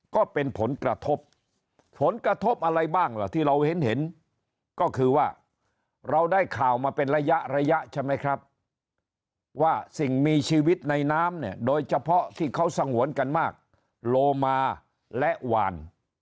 ก็เป็นผลกระทบผลกระทบอะไรบ้างล่ะที่เราเห็นก็คือว่าเราได้ข่าวมาเป็นระยะระยะใช่ไหมครับว่าสิ่งมีชีวิตในน้ำเนี่ยโดยเฉพาะที่เขาสงวนกันมากโลมาและวาน